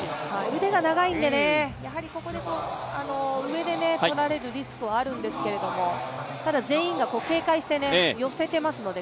腕が長いんで、ここで上で取られるリスクはあるんですけどただ全員が警戒して体を寄せていますから、